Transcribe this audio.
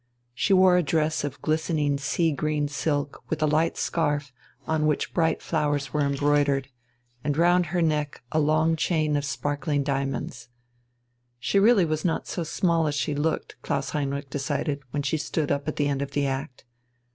She wore a dress of glistening sea green silk with a light scarf on which bright flowers were embroidered, and round her neck a long chain of sparkling diamonds. She really was not so small as she looked, Klaus Heinrich decided, when she stood up at the end of the act.